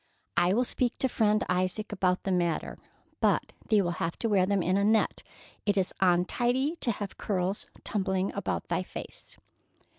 "I will speak to Friend Isaac about the matter, but thee will have to wear them in a net. It is untidy to have curls tumbling about thy face."